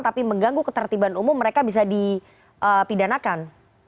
tapi mengganggu ketertiban umum mereka bisa dipidanakan